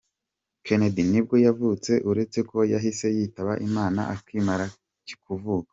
Kennedy, nibwo yavutse uretse ko yahise yitaba Imana akimara kuvuka.